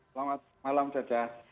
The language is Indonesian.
selamat malam caca